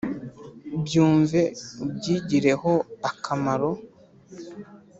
Byumve ubyigireho akamaro